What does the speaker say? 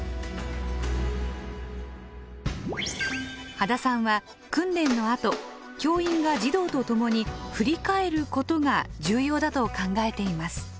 秦さんは訓練のあと教員が児童と共に振り返ることが重要だと考えています。